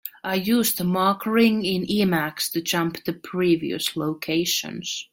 I use the mark ring in Emacs to jump to previous locations.